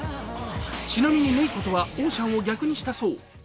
ちなみにＮＡＥＣＯとは、オーシャンを逆にしたそう。